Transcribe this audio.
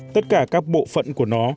tất cả các bộ phận của nó